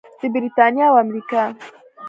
د بریتانیا او امریکا.